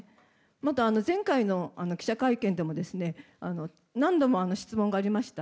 また、前回の記者会見でも何度も質問がありました。